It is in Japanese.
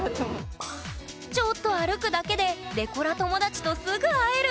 ちょっと歩くだけでデコラ友達とすぐ会える！